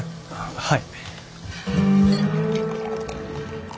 はい。